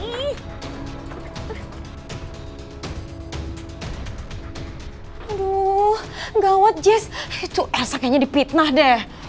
aduh gawat jess itu elsa kayaknya dipitnah deh